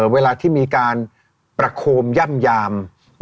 เวลาที่มีการประโคมย่ำยาม